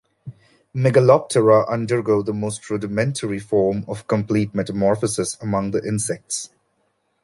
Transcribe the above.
Megaloptera undergo the most rudimentary form of complete metamorphosis among the insects.